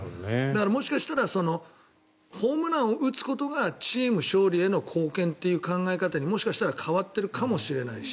もしかしたらホームランを打つことがチーム勝利への貢献という考え方にもしかしたら変わっているかもしれないし。